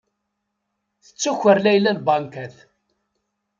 Tettaker Layla lbankat.